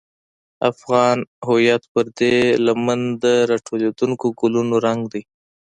افغان هویت پر دې لمن د راټوکېدونکو ګلونو رنګ دی.